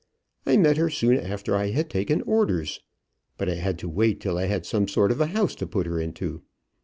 I met her soon after I had taken orders. But I had to wait till I had some sort of a house to put her into.